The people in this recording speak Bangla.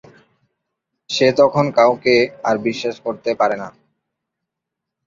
সে তখন কাউকেই আর বিশ্বাস করতে পারে না।